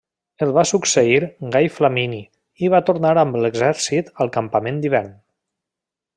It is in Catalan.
El va succeir Gai Flamini i va tornar amb l'exèrcit al campament d'hivern.